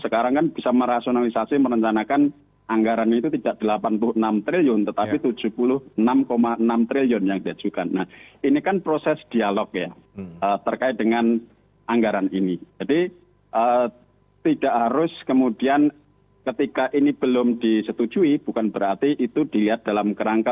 kita break dulu ya